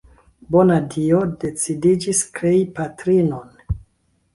Bona Dio decidiĝis krei patrinon.